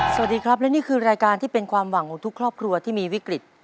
สวัสดีครับและนี่คือรายการที่เป็นความหวังของทุกครอบครัวที่มีวิกฤต